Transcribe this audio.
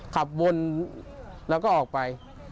ขับวนแล้วก็ออกไป